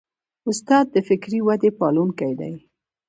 استاد د فکري ودې پالونکی دی.